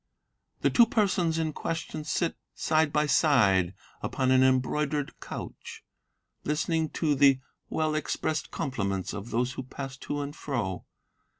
"The two persons in question sit, side by side, upon an embroidered couch, Listening to the well expressed compliments of those who pass to and fro.